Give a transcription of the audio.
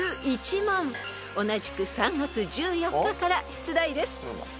［同じく３月１４日から出題です］